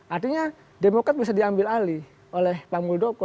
artinya demokrat bisa diambil alih oleh pak muldoko